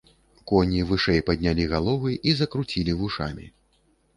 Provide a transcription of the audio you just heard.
Коні вышэй паднялі галовы і закруцілі вушамі.